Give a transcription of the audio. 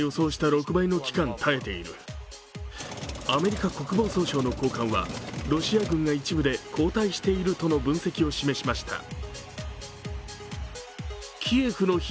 アメリカ国防総省の高官はロシア軍が一部で後退しているとの分析を示しました。